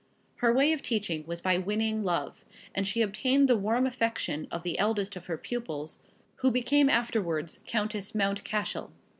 Her way of teaching was by winning love, and she obtained the warm affection of the eldest of her pupils, who became afterwards Countess Mount Cashel.